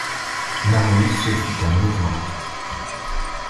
Marius fit un mouvement.